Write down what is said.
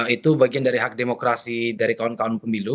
itu bagian dari hak demokrasi dari kawan kawan pemilu